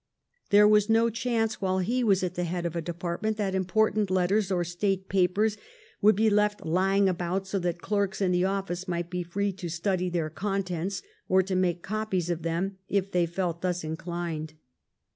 There was no chance while he was at the head of a department that important letters or State papers would be left lying about so that clerks in the oflSce might be free to study their contents or to make copies of them if they felt thus inclined.